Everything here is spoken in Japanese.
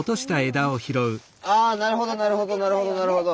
あなるほどなるほどなるほどなるほど。